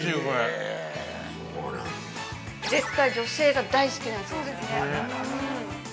◆絶対、女性が大好きなんですよね。